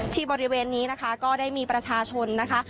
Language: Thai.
บริเวณนี้นะคะก็ได้มีประชาชนนะคะ